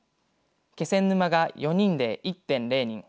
気仙沼が４人で１．０人